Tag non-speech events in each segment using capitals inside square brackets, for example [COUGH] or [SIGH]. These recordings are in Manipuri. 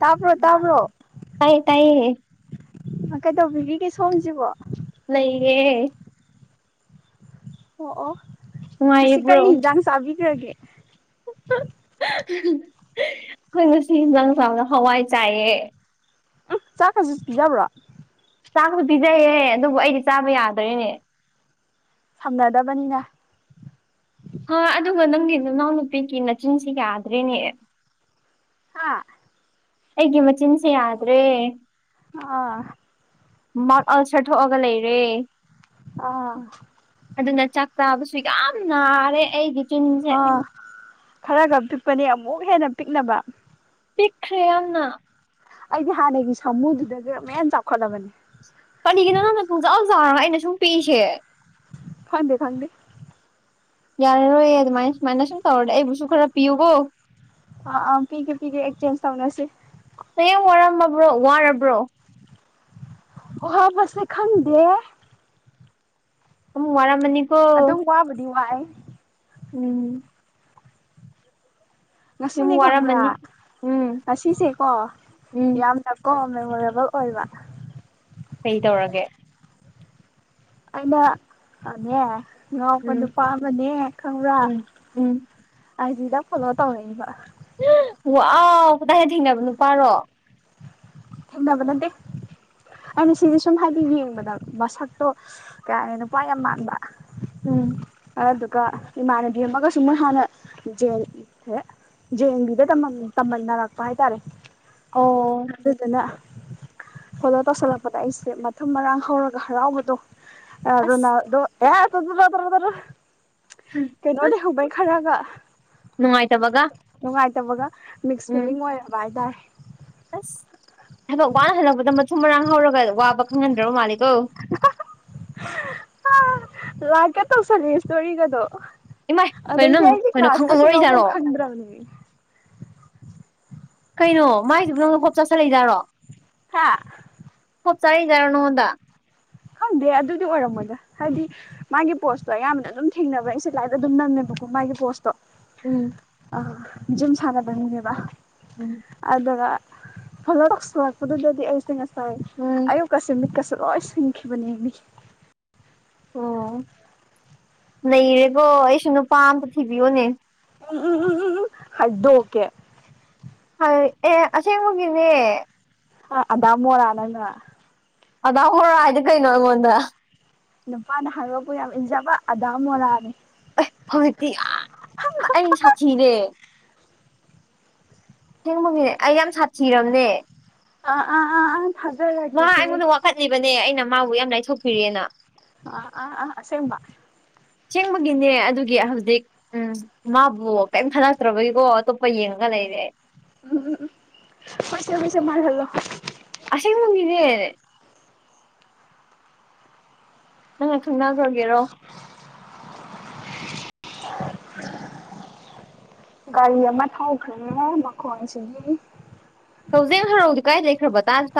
ꯇꯥꯕ꯭ꯔꯣ ꯇꯥꯕ꯭ꯔꯣ ꯇꯥꯏ ꯇꯥꯏ ꯀꯩꯗꯧꯕꯤꯔꯤꯒꯦ ꯁꯣꯝꯁꯤꯕꯨ ꯂꯩꯌꯦ ꯑꯣ ꯑꯣ ꯉꯁꯤ ꯀꯔꯤ ꯅꯨꯡꯉꯥꯏꯔꯤꯕ꯭ꯔꯣ ꯌꯦꯟꯖꯥꯡ ꯆꯥꯕꯤꯈ꯭ꯔꯒꯦ ꯑꯩꯈꯣꯏ ꯉꯁꯤ ꯌꯦꯟꯖꯥꯡ ꯆꯥꯕꯔꯣ ꯍꯋꯥꯏ ꯆꯥꯏꯌꯦ ꯎꯃ ꯆꯥꯛꯀꯁꯨ ꯄꯤꯖꯕ꯭ꯔꯣ ꯆꯥꯛꯁꯨ ꯄꯤꯖꯩꯍꯦ ꯑꯗꯨꯕꯨ ꯑꯩꯗꯤ ꯆꯥꯕ ꯌꯥꯗ꯭ꯔꯦ ꯁꯝꯅꯗꯕꯅꯤꯅ ꯍ ꯑꯗꯨꯒ ꯅꯪꯒꯤ ꯅꯅꯥꯎꯅꯨꯄꯤꯒꯤ ꯅꯆꯤꯟꯁꯤ ꯌꯥꯗ꯭ꯔꯦꯅꯦ ꯍꯥꯥ ꯑꯩꯒꯤ ꯃꯆꯤꯟꯁꯦ ꯌꯥꯗ꯭ꯔꯦ ꯑ ꯃꯥꯎꯠ ꯑꯜꯁꯔ ꯊꯣꯛꯑꯒ ꯂꯩꯔꯦ ꯑꯥ ꯑꯗꯨꯅ ꯆꯥꯛ ꯆꯥꯕꯁꯨ ꯌꯥꯝ ꯅꯥꯔꯦ ꯑꯩꯗꯤ ꯑꯥ ꯈꯔꯒ ꯄꯤꯛꯄꯅꯦ ꯑꯃꯨꯛ ꯍꯦꯟꯅ ꯄꯤꯛꯅꯕ ꯄꯤꯛꯈ꯭ꯔꯦ ꯌꯥꯝꯅ ꯑꯩꯗꯤ ꯍꯥꯟꯅꯒꯤ ꯁꯥꯃꯨꯗꯨꯗꯒꯤ ꯑꯃꯨꯛ ꯍꯦꯅ ꯆꯥꯎꯈꯠꯂꯕꯅꯦ ꯀꯔꯤꯒꯤꯅꯣ ꯅꯪꯅ ꯄꯨꯡꯆꯥꯎ ꯆꯥꯎꯔꯒ ꯑꯩꯅ ꯁꯨꯝ ꯄꯤꯛꯏꯁꯦ ꯈꯪꯗꯦ ꯈꯪꯗꯦ ꯌꯥꯔꯔꯣꯏꯌꯦ ꯑꯗꯨꯃꯥꯏꯅ ꯁꯨꯃꯥꯏꯅ ꯁꯨꯝ ꯇꯧꯔꯗꯤ ꯑꯩꯕꯨꯁꯨ ꯈꯔ ꯄꯤꯌꯨꯀꯣ ꯑ ꯑ ꯄꯤꯒꯦ ꯄꯤꯒꯦ ꯑꯦꯛꯆꯦꯟꯖ ꯇꯧꯅꯁꯤ ꯍꯌꯦꯡ ꯋꯥꯔꯝꯃꯕ꯭ꯔꯣ ꯋꯥꯔꯕ꯭ꯔꯣ [INAUDIBLE] ꯑꯋꯥꯕꯁꯦ ꯈꯪꯗꯦꯍꯦ ꯑꯃꯨꯛ ꯋꯥꯔꯝꯃꯅꯤ ꯑꯗꯨꯝ ꯋꯥꯕꯨꯗꯤ ꯋꯥꯏ ꯎꯝ ꯌꯥꯝ ꯉꯁꯤꯅꯦ ꯈꯪꯕ꯭ꯔꯥ ꯋꯥꯔꯝꯃꯅꯤ ꯎꯝ ꯉꯁꯤꯁꯦ ꯀꯣ ꯎꯝ ꯌꯥꯝꯅ ꯀꯣ ꯃꯦꯃꯣꯔꯦꯕꯜ ꯑꯣꯏꯕ ꯀꯩ ꯇꯧꯔꯒꯦ ꯑꯩꯅ ꯑꯅꯦ ꯉꯥꯎꯄ ꯎꯝ ꯅꯨꯄꯥ ꯑꯃꯅꯦ ꯈꯪꯕ꯭ꯔꯥ ꯎꯝ ꯎꯝ ꯑꯏꯖꯤꯗ ꯐꯣꯂꯣ ꯇꯧꯔꯛꯏꯕ ꯋꯥꯎ ꯀꯗꯥꯏ ꯊꯦꯡꯅꯕ ꯅꯨꯄꯥꯔꯣ ꯊꯦꯡꯅꯕ ꯅꯠꯇꯦ ꯑꯩꯅ ꯁꯤꯗ ꯁꯨꯝ ꯍꯥꯏꯗꯤ ꯌꯦꯡꯕꯗ ꯃꯁꯛꯇꯣ ꯀꯌꯥꯅ ꯅꯨꯄꯥ ꯌꯥꯝ ꯃꯥꯟꯕ ꯎꯝ ꯑꯗꯨꯒ ꯏꯃꯥꯟꯅꯕꯤ ꯑꯃꯒꯁꯨ ꯃꯣꯏ ꯍꯥꯟꯅ ꯖꯦꯟ ꯖꯦꯟꯕꯤꯗ ꯇꯝꯃꯝꯃꯦ ꯇꯝꯃꯤꯟꯅꯔꯛꯄ ꯍꯥꯏꯇꯥꯔꯦ ꯑꯣ ꯑꯗꯨꯗꯨꯅ ꯐꯣꯂꯣ ꯇꯧꯁꯤꯜꯂꯛꯄꯗ ꯑꯩꯁꯦ ꯃꯊꯨꯝ ꯃꯔꯥꯡ ꯍꯧꯔꯒ ꯍꯔꯥꯎꯕꯤꯗꯣ ꯑ ꯑꯗꯨꯣ ꯑꯁ ꯅꯣ ꯌꯥ ꯆ꯭ꯔꯗ꯭ꯔ [UNINTELLIGIBLE] ꯀꯩꯅꯣ ꯂꯩꯍꯧꯕꯩ ꯈꯔꯒ ꯅꯨꯡꯉꯥꯏꯇꯕꯒ ꯅꯨꯡꯉꯥꯏꯇꯕꯒ ꯃꯤꯛꯁ ꯎꯝ ꯐꯤꯂꯤꯡ ꯑꯣꯏꯔꯕ ꯍꯥꯏꯇꯥꯔꯦ ꯑꯁ ꯊꯕꯛ ꯋꯥꯅ ꯍꯜꯂꯛꯄꯗ ꯃꯊꯨꯝ ꯃꯔꯥꯡ ꯍꯧꯔꯒ ꯋꯥꯕ ꯈꯪꯍꯟꯗ꯭ꯔꯕ ꯃꯥꯜꯂꯤ ꯑꯣ ꯂꯥꯏꯛꯀ ꯇꯧꯁꯜꯂꯤ ꯁꯇꯣꯔꯤꯒꯗꯣ ꯏꯃꯥꯏ ꯀꯩꯅꯣ ꯑꯗꯩꯗꯤ ꯅꯪ ꯑꯩꯁꯦ ꯀꯩꯅꯣ ꯀ꯭ꯂꯥꯁ ꯀꯁꯦ ꯌꯥꯎꯕꯝ ꯈꯪꯉꯝꯃꯔꯣꯏꯖꯥꯠꯔꯣ ꯈꯪꯗ꯭ꯔꯕꯅꯤ ꯀꯩꯅꯣ ꯃꯥꯏꯗꯨꯕꯨ ꯅꯪꯉꯣꯟꯗ ꯍꯣꯞ ꯆꯥꯁꯤꯜꯂꯛꯏ ꯖꯥꯠꯔꯣ ꯍꯥ ꯍꯣꯞ ꯆꯥꯔꯤꯖꯥꯠꯂꯣ ꯅꯉꯣꯟꯗ ꯈꯪꯗꯦ ꯑꯗꯨꯗꯤ ꯑꯣꯏꯔꯝꯃꯣꯏꯗ ꯍꯥꯏꯗꯤ ꯃꯥꯒꯤ ꯄꯣꯁꯇꯣ ꯑꯌꯥꯝꯕꯅ ꯑꯗꯨꯝ ꯊꯦꯡꯅꯕꯩ ꯑꯩꯁꯦ ꯂꯥꯏꯛ ꯑꯗꯨꯝ ꯅꯝꯃꯦꯕ ꯌꯦꯡꯉꯨꯀꯣ ꯃꯥꯒꯤ ꯄꯣꯁꯇꯣ ꯎꯝ ꯑꯥ ꯖꯤꯝ ꯁꯥꯟꯅꯕ ꯃꯤꯅꯦꯕ ꯎꯝ ꯑꯗꯨꯒ ꯐꯣꯂꯣ ꯇꯧꯁꯤꯂꯛꯄꯗꯨꯗꯗꯤ ꯑꯩꯁꯦ ꯉꯁꯥꯏ ꯎꯝ ꯑꯌꯨꯛꯀꯁꯦ ꯃꯤꯠꯀꯁꯨ ꯂꯣꯏ ꯁꯤꯡ ꯈꯤꯕꯅꯦꯃꯤ ꯑꯣ ꯅꯩꯔꯦꯀꯣ ꯑꯩꯁꯨ ꯅꯨꯄꯥ ꯑꯝꯇ ꯊꯤꯕꯤꯌꯣꯅꯦ ꯎꯝ ꯎꯝ ꯎꯝ ꯍꯥꯏꯗꯣꯛꯀꯦ ꯍꯥꯏ ꯑꯦ ꯑꯁꯦꯡꯕꯒꯤꯅꯦ ꯑꯥ ꯑꯗꯃꯣꯔ ꯅꯪꯅ ꯑꯗꯥ ꯃꯣꯔꯥ ꯍꯥꯏꯗꯤ ꯀꯩꯅꯣ ꯑꯩꯉꯣꯟꯗ ꯅꯨꯄꯥꯅ ꯍꯥꯏꯕꯕꯨ ꯌꯥꯝ ꯏꯟꯖꯕ ꯑꯗꯥꯃꯣꯔꯥꯅꯦ ꯑꯩ ꯍꯧꯖꯤꯛꯇꯤ ꯌꯥꯝ ꯅ ꯑꯩ ꯁꯥꯊꯤꯔꯦ ꯑꯁꯦꯡꯕꯒꯤ ꯑꯩ ꯌꯥꯝ ꯁꯥꯊꯤꯔꯕꯅꯦ ꯑ ꯑꯥ ꯑꯥ ꯑꯥ ꯃꯥ ꯊꯖꯔꯒꯦꯁꯦ ꯑꯩꯉꯣꯟꯗ ꯋꯥꯀꯠꯂꯤꯕꯅꯦ ꯑꯩꯅ ꯃꯥꯕꯨ ꯌꯥꯝ ꯂꯥꯏꯊꯣꯛꯄꯤꯔꯦꯅ ꯑ ꯑꯥ ꯑꯥ ꯑꯁꯦꯡꯕ ꯑꯁꯦꯡꯕꯒꯤꯅꯦ ꯑꯗꯨꯒꯤ ꯍꯧꯖꯤꯛ ꯎꯝ ꯃꯥꯕꯨ ꯀꯔꯤꯝ ꯈꯂꯛꯇ꯭ꯔꯕꯒꯤꯀꯣ ꯑꯇꯣꯞꯄ ꯌꯦꯡꯉꯒ ꯂꯩꯔꯦ ꯎꯝ ꯎꯝ ꯍꯣꯏꯁꯦ ꯍꯣꯏꯁꯦ ꯃꯥꯜꯍꯜꯂꯣ ꯑꯁꯦꯡꯕꯒꯤꯅꯦ ꯅꯪꯅ ꯈꯪꯅꯈ꯭ꯔꯒꯦꯔꯣ [UNINTELLIGIBLE] ꯒꯥꯔꯤ ꯑꯃ ꯊꯧꯈ꯭ꯔꯦ ꯃꯈꯣꯟꯁꯤꯗꯤ [INAUDIBLE] [UNINTELLIGIBLE]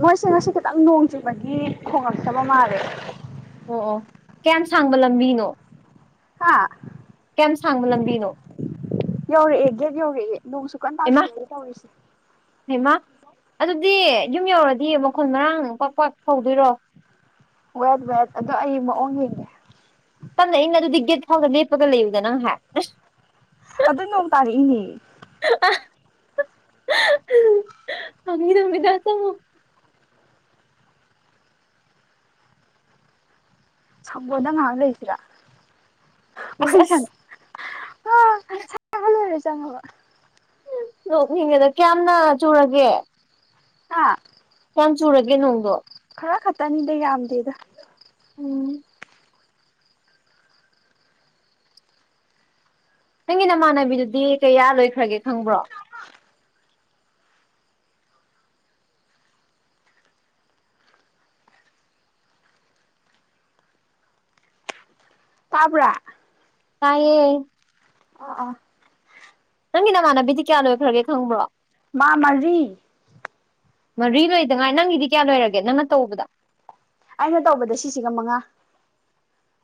ꯃꯣꯏꯁꯦ ꯉꯁꯤ ꯈꯤꯇꯪ ꯅꯣꯡ ꯆꯨꯕꯒꯤ ꯈꯣꯡꯂꯛꯛꯇꯕ ꯃꯥꯜꯂꯦ ꯑꯣ ꯑꯣ ꯀꯌꯥꯝ ꯁꯥꯡꯕ ꯂꯝꯕꯤꯅꯣ ꯍꯥ ꯀꯌꯥꯝ ꯁꯥꯡꯕ ꯂꯝꯕꯤꯅꯣ ꯌꯧꯔꯛꯑꯦ ꯒꯦꯠ ꯌꯧꯔꯛꯑꯦ ꯅꯣꯡꯁꯨ ꯀꯟ ꯍꯩꯃꯥ ꯇꯥꯁꯤꯜ ꯂꯛꯑꯦ ꯇꯧꯔꯤꯁꯦ ꯍꯩꯃꯥ ꯑꯗꯨꯗꯤ ꯌꯨꯝ ꯌꯧꯔꯗꯤ ꯃꯈꯣꯟ ꯃꯔꯥꯡ ꯄꯥꯛ ꯄꯥꯛ ꯐꯧꯗꯣꯏꯔꯣ ꯋꯦꯠ ꯋꯦꯠ ꯑꯗꯣ ꯑꯩ ꯃꯑꯣꯡ ꯌꯦꯡꯒꯦ ꯇꯞꯅꯥ ꯏꯩꯅ ꯑꯗꯨꯗꯤ ꯒꯦꯠ ꯐꯥꯎꯗ ꯂꯦꯞꯄꯒ ꯂꯩꯌꯨꯗꯅ ꯉꯍꯥꯛ ꯑꯗꯨ ꯅꯣꯡꯇꯥꯔꯛꯏꯅꯤ [INAUDIBLE] ꯐꯥꯒꯤ ꯇꯧꯕꯅꯤꯗ ꯆꯪꯉꯣ ꯁꯝꯕꯣꯗ ꯉꯥꯏꯍꯥꯛ ꯂꯩꯁꯤꯔ ꯑꯁ ꯑꯁ ꯑꯥ ꯈꯔ ꯂꯩꯔ ꯆꯪꯉꯕ ꯅꯣꯛꯅꯤꯡꯉꯤꯗ ꯀꯌꯥꯝꯅ ꯆꯨꯔꯒꯦ ꯍꯥ ꯀꯌꯥꯝ ꯆꯨꯔꯒꯦ ꯅꯣꯡꯗꯣ ꯈꯔ ꯈꯛꯇꯅꯤꯗꯤ ꯌꯥꯝꯗꯦꯗ ꯎꯝ ꯅꯪꯒꯤ ꯅꯃꯥꯟꯅꯕꯤꯗꯨꯗꯤ ꯀꯌꯥ ꯂꯣꯏꯈ꯭ꯔꯒꯦ ꯈꯪꯕ꯭ꯔꯣ ꯇꯥꯕ꯭ꯔꯥ ꯇꯥꯏꯌꯦ ꯑ ꯑꯥ ꯅꯪꯒꯤ ꯅꯃꯥꯟꯅꯕꯤꯗꯤ ꯀꯌꯥ ꯂꯣꯏꯈ꯭ꯔꯒꯦ ꯈꯪꯕ꯭ꯔꯣ ꯃꯥ ꯃꯔꯤ ꯃꯔꯤ ꯂꯣꯏꯗꯉꯥꯏ ꯅꯪꯒꯤꯗꯤ ꯀꯌꯥ ꯂꯣꯏꯔꯒꯦ ꯅꯪꯅ ꯇꯧꯕꯗ ꯑꯩꯅ ꯇꯧꯕꯗ ꯁꯤꯁꯤꯒ ꯃꯉꯥ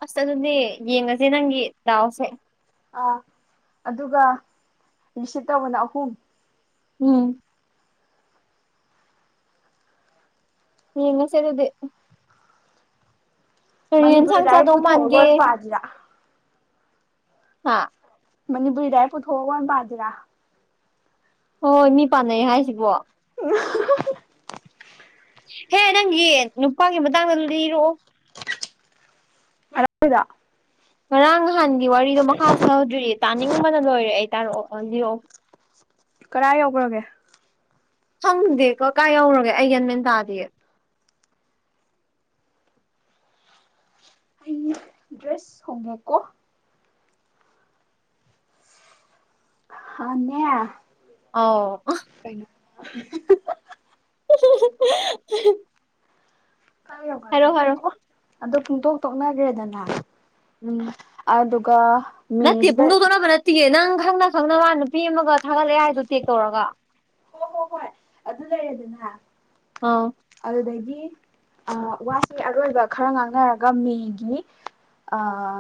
ꯑꯁ ꯑꯗꯨꯅꯦ ꯌꯦꯡꯉꯁꯦ ꯅꯪꯒꯤ ꯗꯥꯎꯁꯦ ꯑ ꯑꯗꯨꯒ ꯔꯤꯁꯤꯞ ꯇꯧꯕꯅ ꯑꯍꯨꯝ ꯎꯝ ꯌꯦꯡꯉꯁꯦ ꯑꯗꯨꯗꯤ ꯀꯔꯤ ꯃꯅꯤꯄꯨꯔꯤ ꯌꯦꯟꯁꯥꯡ ꯂꯥꯏꯔꯤꯛ ꯆꯥꯗꯧ ꯄꯨꯨꯊꯣꯛꯒ ꯃꯥꯟꯒꯦ ꯑꯣꯏ ꯄꯁꯤꯔꯥ ꯑꯥ ꯃꯅꯤꯄꯨꯔꯤ ꯂꯥꯏꯔꯤꯛ ꯄꯨꯊꯣꯛ ꯑꯣꯏ ꯄꯁꯤꯔ ꯍꯣꯏ ꯃꯤ ꯄꯥꯟꯅꯩ ꯍꯥꯏꯁꯤꯕꯣ [INAUDIBLE] ꯍꯦ ꯅꯪꯒꯤ ꯅꯨꯄꯥꯒꯤ ꯃꯇꯥꯡꯗ ꯂꯤꯔꯛꯑꯣ [INAUDIBLE] ꯉꯔꯥꯡ ꯅꯍꯥꯟꯒꯤ ꯋꯥꯔꯤꯗꯣ ꯃꯈꯥꯍꯧꯗ꯭ꯔꯤ ꯇꯥꯅꯤꯡꯕꯅ ꯂꯣꯏꯔꯦ ꯑꯩ ꯇꯥꯔꯛꯑꯣ ꯑꯣ ꯂꯤꯔꯛ ꯑꯣ ꯀꯗꯥꯏ ꯌꯧꯈ꯭ꯔꯒꯦ ꯈꯪꯗꯦꯀꯣ ꯀꯥꯏ ꯌꯧꯔꯒꯦ ꯑꯩ ꯌꯦꯟ ꯃꯦꯟ ꯇꯥꯗꯤꯌꯦ ꯑꯩ ꯗ꯭ꯔꯦꯁ ꯍꯣꯡꯉꯦꯀꯣ ꯍꯥꯅꯦ ꯑꯧ ꯀꯩꯅꯣ [INAUDIBLE] ꯀꯥꯏ ꯍꯥꯏꯔꯣ ꯌꯧꯒꯒꯦ ꯍꯥꯏꯔꯣ ꯑꯣ ꯑꯗꯨ ꯄꯨꯡꯇꯣꯛ ꯇꯣꯛꯅꯈ꯭ꯔꯦꯗꯅ ꯎꯝ ꯅꯠꯇꯦ ꯃꯦꯁꯤꯗ ꯄꯨꯡꯗꯣꯛꯇꯣꯛꯅꯕ ꯅꯠꯇꯦ ꯅꯪ ꯈꯪꯅ ꯈꯪꯅ ꯃꯥ ꯅꯨꯄꯤ ꯑꯃꯒ ꯊꯥꯒꯠꯂꯛꯑꯦ ꯍꯥꯏꯗꯨ ꯇꯦꯛ ꯇꯧꯔꯒ ꯍꯣꯏ ꯍꯣ ꯍꯣꯏ ꯑꯗꯨ ꯂꯩꯔꯦꯗꯅ ꯑꯧ ꯑꯗꯨꯗꯒꯤ ꯑꯥ ꯋꯥꯁꯤ ꯑꯔꯣꯏꯕ ꯈꯔ ꯉꯥꯡꯅꯔꯒ ꯃꯦꯒꯤꯅꯤ ꯑꯥ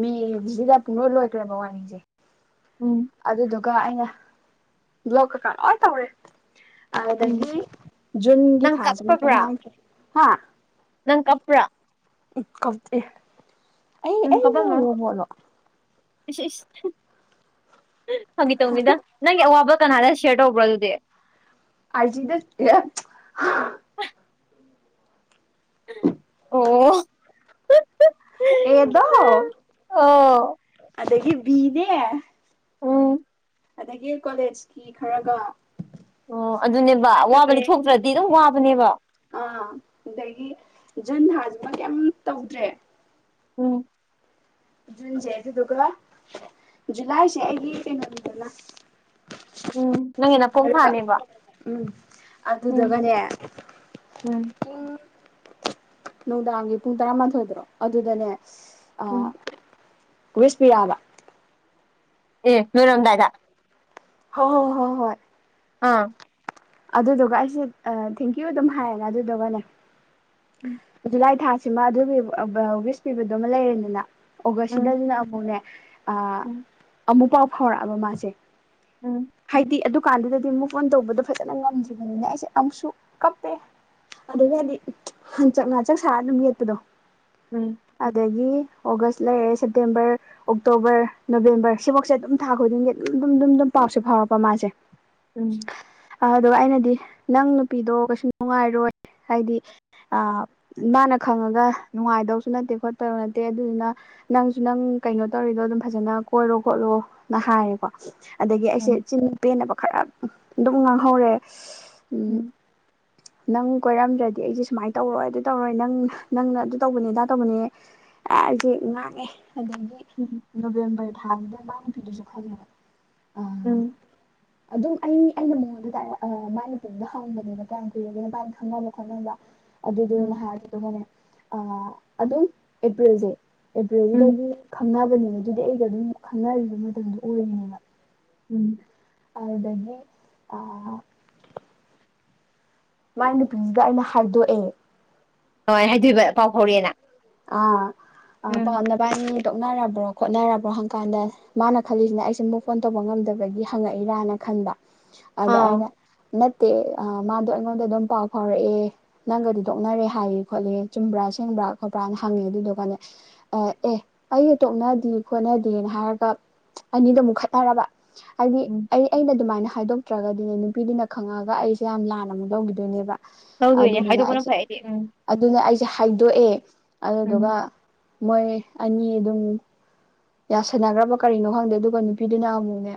ꯃꯦꯒꯤꯁꯤꯗ ꯄꯨꯨꯡꯂꯣꯏ ꯂꯣꯏꯈ꯭ꯔꯕ ꯋꯥꯔꯤꯁꯦ ꯎꯝ ꯑꯗꯨꯗꯨꯒ ꯑꯩꯅ ꯕꯅ꯭ꯂꯣꯛ ꯀꯀꯥ ꯂꯣꯏ ꯇꯧꯔꯦ ꯎꯝ ꯑꯗꯨꯗꯒꯤ ꯖꯨꯟꯒꯤ ꯅꯪ ꯊꯥꯖꯤꯃ ꯀꯞꯄꯕ꯭ꯔꯥ ꯍꯥꯏꯗ꯭ꯔꯦ ꯅꯪ ꯀꯞꯄ꯭ꯔꯥ ꯎ ꯀꯞꯇꯦ ꯎꯝ ꯀꯞꯄꯝꯃꯣꯏ ꯏꯁ ꯐꯒꯤ ꯇꯧꯅꯤꯗ ꯅꯪꯒꯤ ꯑꯋꯥꯕ ꯀꯅꯥꯗ ꯁꯦꯌꯔ ꯇꯧꯕ꯭ꯔꯣ ꯑꯗꯨꯗꯤ ꯑꯥꯏꯖꯤꯗ ꯑꯦ ꯑꯣ ꯑꯦꯗꯣ ꯑꯣ ꯑꯗꯗꯒꯤ ꯕꯤꯅꯦ ꯎꯝ ꯑꯗꯒꯤ ꯀꯣꯂꯦꯖꯀꯤ ꯈꯔꯒ ꯑꯣ ꯑꯗꯨꯅꯦꯕ ꯑꯗꯨꯃꯥꯏꯅ ꯑꯋꯥꯕ ꯇꯧꯋꯦ ꯂꯤꯊꯣꯛꯇ꯭ꯔꯗꯤ ꯑꯗꯨꯝ ꯋꯥꯕꯅꯦꯕ ꯑꯥ ꯑꯗꯒꯤ ꯖꯨꯟ ꯊꯥꯖꯤꯃ ꯀꯩꯝ ꯇꯧꯗ꯭ꯔꯦ ꯎꯝ ꯖꯨꯟꯁꯤ ꯑꯗꯨꯗꯨꯒ ꯖꯨꯂꯥꯏꯁꯦ ꯑꯩꯒꯤ ꯀꯩꯅꯣꯅꯤꯗꯅ ꯎꯝ ꯅꯪꯒꯤ ꯅꯄꯣꯛ ꯊꯥꯅꯦꯕ ꯎꯝ ꯎꯝ ꯑꯗꯨꯗꯨꯒꯅꯦ ꯎꯝ ꯅꯨꯡꯗꯥꯡꯒꯤ ꯄꯨꯡ ꯇꯔꯥꯃꯥꯊꯣꯏꯗꯔꯣ ꯑꯗꯨꯗꯅꯦ ꯑꯥ ꯎꯝ ꯋꯤꯁ ꯄꯤꯔꯛꯑꯕ ꯑꯦ ꯂꯣꯏꯔꯝꯗꯥꯏꯗ ꯍꯣ ꯍꯣꯏ ꯍꯣ ꯍꯣꯏ ꯑꯥ ꯑꯗꯨꯗꯨꯒ ꯑꯩꯁꯦ ꯊꯦꯡꯀ꯭ꯌꯨ ꯑꯗꯨꯝ ꯍꯥꯏꯔꯦꯅ ꯑꯗꯨꯗꯨꯒꯅꯦ ꯎꯝ ꯖꯨꯂꯥꯏ ꯊꯥ ꯁꯤꯃ ꯑꯗꯨꯒꯤ ꯋꯤꯁ ꯄꯤꯕꯗꯨꯃ ꯂꯩꯔꯦꯗꯅ ꯑꯣꯒꯁ ꯁꯤꯗ ꯎꯝ ꯑꯗꯨꯅ ꯑꯃꯨꯛꯅꯦ ꯎꯝ ꯑꯃꯨꯛ ꯄꯥꯎ ꯐꯥꯎꯔꯛꯑꯕ ꯃꯥꯁꯦ ꯎꯝ ꯍꯥꯏꯗꯤ ꯑꯗꯨ ꯗꯨꯀꯥꯟꯗꯨꯗꯗꯤ ꯃꯨꯞ ꯑꯣꯟ ꯇꯧꯕꯗꯣ ꯐꯖꯅ ꯉꯝꯗ꯭ꯔꯤꯕꯅꯤꯅ ꯑꯩꯁꯦ ꯑꯃꯨꯛꯁꯨ ꯀꯞꯄꯦ ꯑꯗꯨꯗꯒꯤ ꯍꯥꯏꯗꯤ ꯍꯟꯆꯛ ꯉꯆꯛ ꯁꯥꯔ ꯑꯗꯨꯝ ꯌꯦꯠꯄꯗꯣ ꯎꯝ ꯑꯗꯒꯤ ꯑꯣꯒꯁ ꯂꯩꯔꯦ ꯁꯦꯞꯇꯦꯝꯕꯔ ꯑꯣꯛꯇꯣꯕꯔ ꯅꯣꯕꯦꯝꯕꯔ ꯁꯤꯐꯧꯁꯦ ꯑꯗꯨꯝ ꯊꯥ ꯈꯨꯗꯤꯡꯒꯤ ꯑꯗꯨꯝ ꯑꯗꯨꯝ ꯑꯗꯨꯝ ꯄꯥꯎꯁꯦ ꯐꯥꯎꯔꯛꯄ ꯃꯥꯁꯦ ꯎꯝ ꯑꯗꯨꯒ ꯑꯩꯅꯗꯤ ꯅꯪ ꯅꯨꯄꯤꯗꯣ ꯀꯩꯁꯨ ꯅꯨꯡꯉꯥꯏꯔꯣꯏ ꯍꯥꯏꯗꯤ ꯑꯥ ꯃꯥꯅ ꯈꯪꯉꯒ ꯅꯨꯡꯉꯥꯏꯗꯧꯁꯨ ꯅꯠꯇꯦ ꯈꯣꯠꯇꯧꯁꯨ ꯅꯠꯇꯦ ꯑꯗꯨꯗꯨꯅ ꯅꯪꯁꯨ ꯅꯪ ꯀꯩꯅꯣ ꯇꯧꯔꯤꯗꯣ ꯑꯗꯨꯝ ꯐꯖꯅ ꯀꯣꯏꯔꯣ ꯈꯣꯠꯂꯣꯅ ꯍꯥꯏꯌꯦꯀꯣ ꯑꯗꯒꯤ ꯑꯩꯁꯦ ꯎꯝ ꯆꯤꯟ ꯄꯦꯟꯅꯕ ꯈꯔ ꯑꯗꯨꯝ ꯉꯥꯡꯍꯧꯔꯦ ꯎꯝ ꯅꯪ ꯀꯣꯏꯔꯝꯗ꯭ꯔꯗꯤ ꯑꯩꯁꯦ ꯁꯨꯃꯥꯏꯅ ꯇꯧꯔꯣꯏ ꯑꯗꯨ ꯇꯧꯔꯣꯏ ꯅꯪ ꯅꯪꯅ ꯑꯗꯨ ꯇꯧꯕꯅꯤ ꯑꯗꯥ ꯇꯧꯕꯅꯦ ꯑꯖꯤ ꯉꯥꯡꯉꯦ ꯑꯗꯒꯤ ꯎꯝ ꯅꯣꯕꯦꯝꯕꯔ ꯊꯥꯗꯨꯗ ꯃꯥ ꯅꯨꯄꯤꯗꯨꯁꯨ ꯈꯥꯏꯅꯔꯦ ꯎꯝ ꯑꯗꯨꯝ ꯑꯩ ꯑꯩꯅ ꯃꯉꯣꯟꯗ ꯗꯥꯏꯔꯦ ꯑ ꯃꯥꯏ ꯅꯨꯄꯤꯗꯨꯗ ꯍꯪꯕꯅꯦꯕ ꯀꯌꯥꯝ ꯀꯨꯔꯒꯦ ꯅꯕꯅꯤ ꯈꯪꯅꯕ ꯈꯣꯠꯅꯕ ꯑꯗꯨꯗꯨꯅ ꯎꯝ ꯍꯥꯏꯔꯒ ꯗꯨꯒꯅꯦ ꯑꯥ ꯑꯗꯨꯝ ꯑꯦꯄ꯭ꯔꯤꯜꯁꯦ ꯎꯝ ꯑꯦꯄ꯭ꯔꯤꯜꯁꯤꯗꯒꯤ ꯈꯪꯅꯕꯅꯦ ꯑꯗꯨꯗꯤ ꯑꯩꯒ ꯑꯗꯨꯝ ꯈꯪꯅꯔꯤꯕ ꯃꯇꯝꯗꯣ ꯑꯣꯏꯔꯤꯅꯦꯕ ꯎꯝ ꯑꯗꯨꯗꯒꯤ ꯑꯥ ꯃꯥꯏ ꯅꯨꯄꯤꯁꯤꯗ ꯑꯩꯅ ꯍꯥꯏꯗꯣꯛꯑꯦ ꯀꯃꯥꯏꯅ ꯍꯥꯏꯗꯣꯏꯕ ꯄꯥꯎ ꯐꯥꯎꯔꯛꯑꯦꯅ ꯑꯥ ꯑꯥ ꯄꯥꯎ ꯎꯝ ꯅꯕꯅꯤ ꯇꯣꯛꯅꯔꯕꯣ ꯈꯣꯠꯅꯔꯕ꯭ꯔꯣ ꯥꯋꯥ ꯍꯪꯀꯥꯟꯗ ꯃꯥꯅ ꯈꯜꯂꯤꯁꯤꯅ ꯑꯩꯁꯦ ꯃꯨꯞ ꯑꯣꯟ ꯇꯧꯕ ꯉꯝꯗꯕꯒꯤ ꯍꯪꯉꯛꯏꯔꯥꯅ ꯈꯟꯕ ꯑꯗ ꯑꯩꯅ ꯑꯥꯎ ꯅꯠ ꯇꯦ ꯑꯥ ꯃꯥꯗꯣ ꯑꯩꯉꯣꯟꯗ ꯑꯗꯨꯝ ꯄꯥꯎ ꯐꯥꯎꯔꯛꯑꯦ ꯅꯪꯒꯗꯤ ꯇꯣꯛꯅꯔꯦ ꯍꯥꯏꯌꯦ ꯈꯣꯠꯂꯦ ꯆꯨꯝꯕ꯭ꯔꯥ ꯑꯁꯦꯡꯕ꯭ꯔꯥ ꯈꯣꯄ꯭ꯔꯥꯅ ꯍꯪꯉꯦ ꯑꯗꯨꯗꯨꯒꯅꯦ ꯑꯥ ꯑꯦ ꯑꯩꯒ ꯇꯣꯛꯅꯗꯤ ꯈꯣꯠꯅꯗꯦꯅ ꯍꯥꯏꯔꯒ ꯑꯅꯤꯗꯣ ꯑꯃꯨꯛ ꯈꯠꯅꯔꯕ ꯍꯥꯏꯗꯤ ꯎꯝ ꯑꯩ ꯑꯩꯅ ꯑꯗꯨꯃꯥꯏꯅ ꯍꯥꯏꯗꯣꯛꯇ꯭ꯔꯒꯗꯤꯅꯦ ꯅꯨꯄꯤꯗꯨꯅ ꯈꯪꯉꯛꯑꯒ ꯑꯩꯁꯦ ꯌꯥꯝꯅ ꯂꯥꯟꯅ ꯑꯃꯨꯛ ꯂꯧꯒꯤꯗꯣꯏꯅꯦꯕ ꯇꯧꯗꯣꯏꯅꯦ ꯑꯗꯨꯗꯨꯅ ꯍꯥꯏꯗꯣꯛꯄꯅ ꯑꯩꯁꯦ ꯐꯩ ꯑꯩꯗꯤ ꯎꯝ ꯑꯗꯨꯅ ꯑꯩꯁ ꯁꯦ ꯍꯥꯏꯗꯣꯛꯑꯦ ꯑꯗꯨꯗꯨꯒ ꯎꯝ ꯃꯣꯏ ꯑꯅꯤ ꯑꯗꯨꯝ ꯌꯥꯁꯟꯅꯒ꯭ꯔꯕ ꯀꯔꯤꯅꯣ ꯈꯪꯗꯦ ꯑꯗꯨꯒ ꯅꯨꯄꯤꯗꯨꯅ ꯑꯃꯨꯛꯅꯦ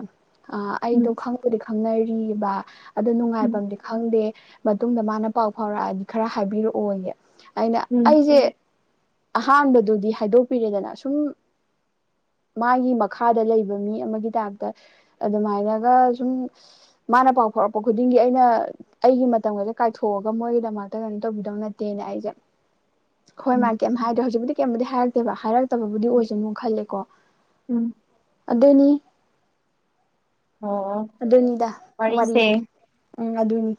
ꯑꯥ ꯑꯩꯗꯣ ꯎꯝ ꯈꯪꯕꯨꯗꯤ ꯈꯪꯅꯔꯤ ꯕ ꯑꯗꯨ ꯎꯝ ꯅꯨꯡꯉꯥꯏꯕꯝꯗꯤ ꯈꯪꯗꯦ ꯃꯇꯨꯡꯗ ꯃꯥꯅ ꯄꯥꯎ ꯐꯥꯎꯔꯛꯑꯗꯤ ꯈꯔ ꯍꯥꯏꯕꯤꯔꯛꯑꯣꯌꯦ ꯑꯩꯅ ꯎꯝ ꯑꯩꯁꯦ ꯑꯍꯥꯟꯕꯗꯨꯗꯤ ꯍꯥꯏꯗꯣꯛꯄꯤꯔꯦꯗꯅ ꯁꯨꯝ ꯃꯥꯒꯤ ꯃꯈꯥꯗ ꯂꯩꯕ ꯃꯤ ꯑꯃꯒꯤ ꯇꯥꯏꯞꯇ ꯑꯗꯨꯃꯥꯏꯅꯒ ꯁꯨꯝ ꯃꯥꯅ ꯄꯥꯎ ꯐꯥꯎꯔꯛꯄ ꯈꯨꯗꯤꯡꯒꯤ ꯑꯩꯅ ꯑꯩꯒꯤ ꯃꯇꯝꯒꯁꯦ ꯀꯥꯏꯊꯣꯛꯑꯒ ꯃꯣꯏꯒꯤꯗꯃꯛꯇ ꯀꯩꯅꯣ ꯇꯧꯕꯤꯗꯧ ꯅꯠꯇꯦꯅ ꯑꯩꯁꯦ ꯍꯣꯏ ꯃꯥꯏ ꯎꯝ ꯀꯩꯝ ꯍꯥꯏꯗ꯭ꯔꯦ ꯍꯧꯖꯤꯛꯄꯨꯗꯤ ꯀꯩꯝꯕꯨꯗꯤ ꯍꯥꯏꯔꯛꯇꯦꯕ ꯍꯥꯏꯔꯛꯇꯕꯕꯨꯗꯤ ꯑꯣꯏꯁꯅꯨ ꯈꯜꯂꯦ ꯎꯝ ꯑꯗꯨꯅꯤ ꯑꯣ ꯑꯗꯨꯅꯤꯗ ꯋꯥꯔꯤꯁꯦ ꯎꯝ ꯑꯗꯨꯅꯤ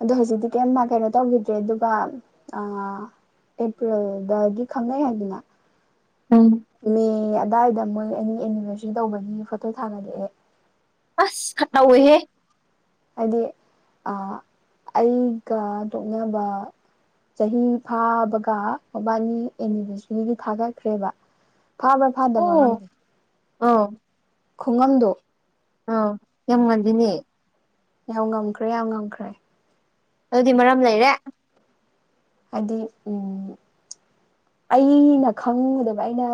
ꯑꯗꯣ ꯍꯧꯖꯤꯛꯇꯤ ꯀꯩꯝ ꯃ ꯀꯩꯅꯣ ꯇꯧꯒꯤꯗ꯭ꯔꯦ ꯑꯗꯨꯒ ꯑꯥ ꯑꯦꯝꯄ꯭ꯔꯤꯜꯗꯒꯤ ꯈꯪꯅꯩ ꯍꯥꯏꯗꯅ ꯎꯝ ꯃꯦ ꯑꯗꯥꯏꯗ ꯃꯣꯏ ꯑꯩꯅꯤ ꯑꯦꯅꯤꯚꯔꯁꯔꯤ ꯇꯧꯒꯅꯤ ꯐꯣꯇꯣ ꯊꯥꯒꯠꯂꯛꯑꯦ ꯑꯁ ꯈꯠ ꯅꯧ ꯍꯦ ꯍꯥꯏꯗꯤ ꯑꯥ ꯑꯩꯒ ꯇꯣꯛꯅꯕ ꯆꯍꯤ ꯐꯥꯕꯒ ꯃꯕꯥꯅꯤ ꯑꯦꯅꯤꯚꯔꯁꯔꯤꯒꯤ ꯊꯥꯒꯠꯈ꯭ꯔꯦꯕ ꯐꯥꯕ꯭ꯔꯥ ꯐꯥꯗꯕ꯭ꯔꯥ ꯑꯣ ꯉꯪꯗꯦ ꯈꯨꯉꯟꯗꯣ ꯑ ꯌꯥꯝ ꯉꯜꯂꯤꯅꯦ ꯌꯥꯝ ꯉꯝꯈ꯭ꯔꯦ ꯌꯥꯝ ꯉꯝꯈ꯭ꯔꯦ ꯑꯗꯨꯗꯤ ꯃꯔꯝ ꯂꯩꯔꯦ ꯍꯥꯏꯗꯤ ꯎꯝ ꯑꯩꯅ ꯈꯪꯉꯨꯗꯕ ꯑꯩꯅ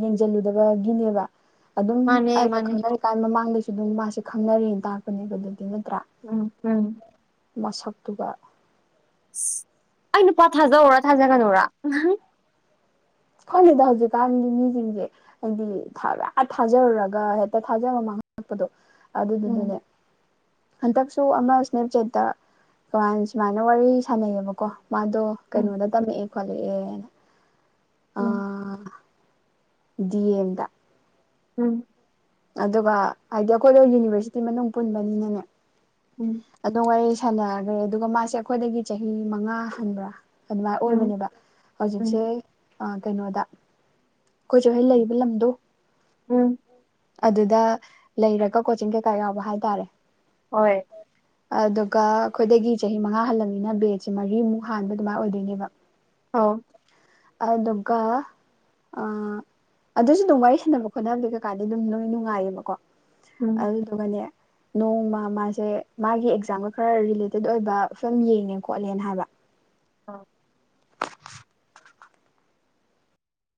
ꯌꯦꯡꯖꯤꯜꯂꯨꯗꯕꯒꯤꯅꯦꯕ ꯑꯗꯨꯝ ꯃꯥꯅꯦ ꯑꯩꯒ ꯃꯥꯅꯦ ꯈꯪꯅꯔꯤꯀꯥꯟ ꯃꯃꯥꯡꯗꯩꯁꯨ ꯑꯗꯨꯝ ꯃꯥꯁꯦ ꯈꯪꯅꯔꯤꯅ ꯇꯥꯛꯄꯅꯦꯕ ꯑꯗꯨꯗꯤ ꯅꯠ ꯎꯝ ꯎꯝ ꯃꯁꯛꯇꯨꯒ ꯁ ꯑꯩ ꯅꯨꯄꯥ ꯊꯥꯖꯎꯧꯔꯥ ꯊꯥꯖꯒꯅꯨꯔ ꯑꯍꯥ ꯈꯪꯗꯦꯗ ꯍꯧꯖꯤꯛꯀꯥꯟꯒꯤ ꯃꯤꯖꯤꯡꯁꯦ ꯍꯥꯏꯗꯤ ꯊꯥꯔ ꯊꯥꯖꯔꯨꯔꯒ ꯍꯦꯛꯇ ꯊꯥꯖ ꯃꯥꯡ ꯄꯗꯣ ꯎꯝ ꯑꯗꯨꯗꯨꯗꯅꯦ ꯍꯟꯗꯛꯁꯨ ꯑꯃ ꯏꯁꯅꯦꯞꯆꯦꯠꯇ ꯇ꯭ꯋꯥꯏ ꯁꯨꯃꯥꯏꯅ ꯋꯥꯔꯤ ꯁꯥꯟꯅꯩꯌꯦꯕꯀꯣ ꯃꯥꯗꯣ ꯎꯝ ꯀꯩꯅꯣꯗ ꯇꯝꯃꯛꯑꯦ ꯈꯣꯠꯂꯛꯑꯦꯅ ꯎꯝ ꯗꯤ ꯑꯦꯝ ꯗꯥ ꯎꯝ ꯑꯗꯨꯒ ꯍꯥꯏꯗꯤ ꯑꯩꯈꯣꯏꯗꯣ ꯌꯨꯅꯤꯚꯔꯁꯤꯇꯤ ꯃꯅꯨꯡ ꯄꯨꯟꯕꯅꯤꯅꯅꯦ ꯎꯝ ꯑꯗꯨꯉꯩ ꯁꯥꯟꯅꯈ꯭ꯔꯦ ꯑꯗꯨꯒ ꯃꯥꯁꯦ ꯑꯩꯈꯣꯏꯗꯒꯤ ꯆꯍꯤ ꯃꯉꯥ ꯍꯟꯕ꯭ꯔꯥ ꯑꯗꯨꯃꯥꯏꯅ ꯎꯝ ꯑꯣꯏꯕꯅꯦꯕ ꯍꯧꯖꯤꯛꯁꯦ ꯎꯝ ꯑ ꯀꯩꯅꯣꯗ ꯑꯩꯈꯣꯏ ꯆꯦꯅ ꯂꯩꯕ ꯂꯝꯗꯣ ꯎꯝ ꯑꯗꯨꯗ ꯂꯩꯔꯒ ꯀꯣꯆꯤꯡ ꯀꯩꯀꯥ ꯌꯥꯎꯕ ꯍꯥꯏ ꯇꯥꯔꯦ ꯍꯣꯏ ꯑꯗꯨꯒ ꯑꯩꯈꯣꯏꯗꯒꯤ ꯆꯍꯤ ꯃꯉꯥ ꯍꯜꯂꯕꯅꯤꯅ ꯕꯦꯠꯁꯦ ꯃꯔꯤꯃꯨꯛ ꯍꯥꯟꯕ ꯑꯗꯨꯃꯥꯏꯅ ꯑꯣꯏꯗꯣꯏꯅꯦꯕ ꯑꯧ ꯑꯗꯨꯗꯨꯒ ꯑ ꯑꯗꯨꯁꯨ ꯑꯗꯨꯝ ꯋꯥꯔꯤ ꯁꯥꯟꯅꯕ ꯈꯣꯠꯅꯕꯗꯤ ꯀꯩꯀꯥꯗꯤ ꯑꯗꯨꯝ ꯂꯣꯏ ꯅꯨꯡꯉꯥꯏꯌꯦꯕꯀꯣ ꯎꯝ ꯑꯗꯨꯗꯨꯒꯅꯦ ꯅꯣꯡꯃ ꯃꯥꯁꯦ ꯃꯥꯒꯤ ꯑꯦꯛꯖꯥꯝꯒ ꯈꯔ ꯔꯤꯂꯦꯇꯦꯠ ꯑꯣꯏꯕ ꯐꯤꯂꯝ ꯌꯦꯡꯉꯦ ꯈꯣꯠꯂꯦꯅ ꯍꯥꯏꯕ ꯑꯥ